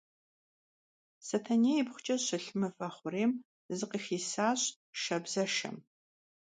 Setenêy yibğuç'e şılh mıve xhurêym zıkhıxisaş şşabzeşşem.